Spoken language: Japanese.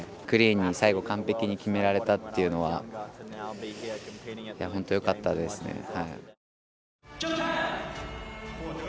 クリーンに最後完璧に決められたっていうのは本当よかったですね。